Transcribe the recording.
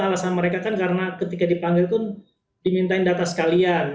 alasan mereka kan karena ketika dipanggil pun dimintain data sekalian